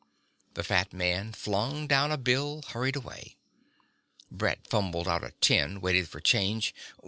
The fat man flung down a bill, hurried away. Brett fumbled out a ten, waited for change.